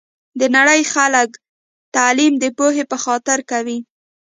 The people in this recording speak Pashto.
د نړۍ خلګ تعلیم د پوهي په خاطر کوي